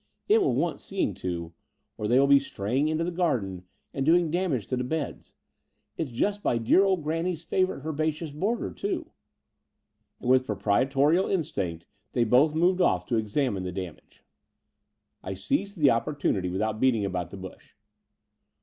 It will want seeing to; or they will be straying into the garden and doing damage to the beds. It's just by dear old granny's favourite herbaceous border, too." And with proprietorial instinct they both moved off to examine the damage. CI it Between London and Clymping 155 I seized the opportunity without beating about the bush.